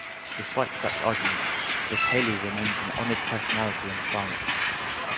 Despite such arguments, Richelieu remains an honoured personality in France.